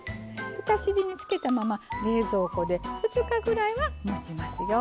浸し地につけたまま冷蔵庫で２日ぐらいはもちますよ。